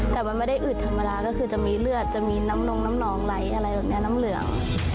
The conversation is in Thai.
แต่มันไม่ได้อืดธรรมดาก็คือจะมีเลือดจะมีน้ำนงน้ำนองไร้อะไรแบบนี้น้ำเหลือง